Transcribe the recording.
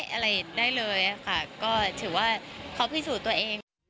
อะไรได้เลยค่ะก็ถือว่าเขาพิสูจน์ตัวเอง